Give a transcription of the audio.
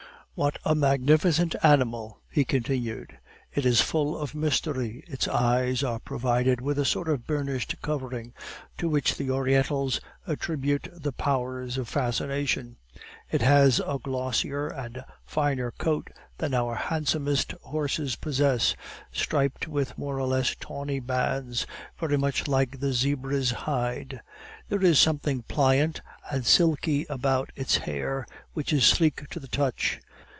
"What a magnificent animal!" he continued. "It is full of mystery; its eyes are provided with a sort of burnished covering, to which the Orientals attribute the powers of fascination; it has a glossier and finer coat than our handsomest horses possess, striped with more or less tawny bands, very much like the zebra's hide. There is something pliant and silky about its hair, which is sleek to the touch.